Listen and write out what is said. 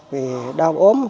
vì đau ốm